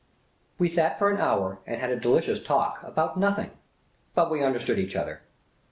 W^ sat for an hour and had a delicious talk — about nothing. But we understood each other.